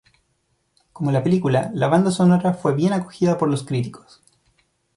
Como la película, la banda sonora fue bien acogida por los críticos.